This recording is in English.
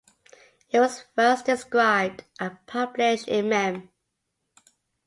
It was first described and published in Mem.